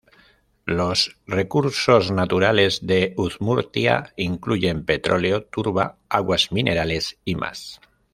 Los recursos naturales de Udmurtia incluyen petróleo, turba, aguas minerales y más.